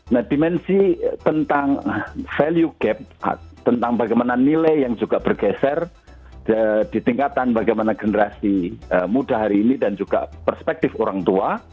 nah dimensi tentang value gap tentang bagaimana nilai yang juga bergeser di tingkatan bagaimana generasi muda hari ini dan juga perspektif orang tua